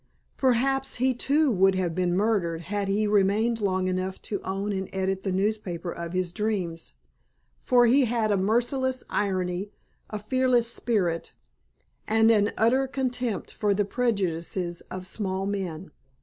Perhaps he too would have been murdered had he remained long enough to own and edit the newspaper of his dreams, for he had a merciless irony, a fearless spirit, and an utter contempt for the prejudices of small men.